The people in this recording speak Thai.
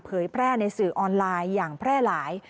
แพร่ในสื่อออนไลน์อย่างแพร่หลาย